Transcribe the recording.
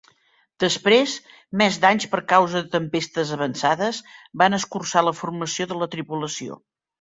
Després, més danys per causa de tempestes avançades van escurçar la formació de la tripulació.